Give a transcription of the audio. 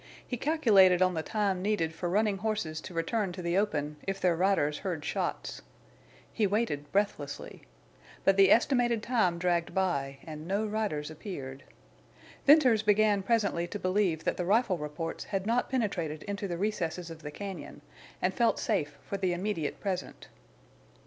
He calculated on the time needed for running horses to return to the open, if their riders heard shots. He waited breathlessly. But the estimated time dragged by and no riders appeared. Venters began presently to believe that the rifle reports had not penetrated into the recesses of the cañon, and felt safe for the immediate present.